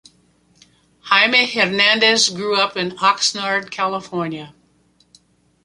Jaime Hernandez grew up in Oxnard, California.